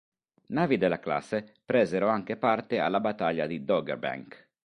Navi della classe presero anche parte alla Battaglia di Dogger Bank.